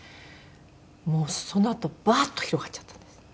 もうそのあとバーッと広がっちゃったんです。